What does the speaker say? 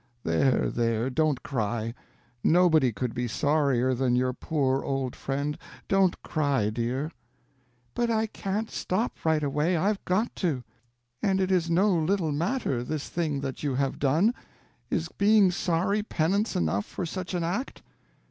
There, there, don't cry—nobody could be sorrier than your poor old friend—don't cry, dear." "But I can't stop right away, I've got to. And it is no little matter, this thing that you have done. Is being sorry penance enough for such an act?"